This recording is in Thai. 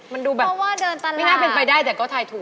มันดูแบบไม่น่าเป็นไปได้แต่ก็ถ่ายถูกเพราะว่าเดินตลาด